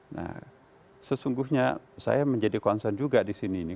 nah sesungguhnya saya menjadi konsen juga disini nih